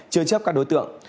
chưa chấp các đối tượng